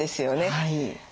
はい。